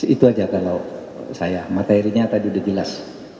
itu aja kalau saya materinya tadi udah jelas